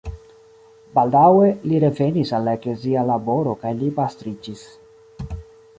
Baldaŭe li revenis al la eklezia laboro kaj li pastriĝis.